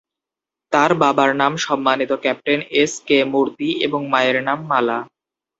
তাঁর বাবার নাম সম্মানিত ক্যাপ্টেন এস কে মুর্তি এবং মায়ের নাম মালা।